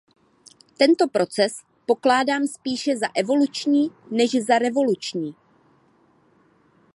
Tento proces pokládám spíše za evoluční než za revoluční.